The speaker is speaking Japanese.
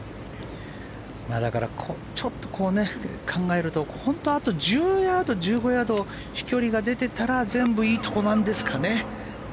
ちょっと考えるとあと１０ヤード、１５ヤード飛距離が出ていたら全部、いいところなんですかね。